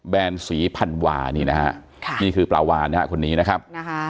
แบรนด์สีพันวานี่นะฮะนี่คือปลาวานคนนี้นะครับ